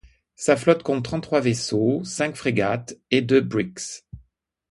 Sa flotte compte trente-trois vaisseaux, cinq frégates et deux bricks.